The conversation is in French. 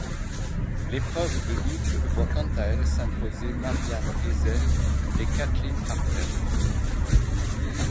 L'épreuve de double voit quant à elle s'imposer Mary-Ann Eisel et Kathleen Harter.